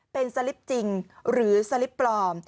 เป็นสลิปจริงหรือสลิปปลอม